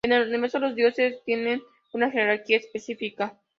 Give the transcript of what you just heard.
En el universo, los dioses tienen una jerarquía específica.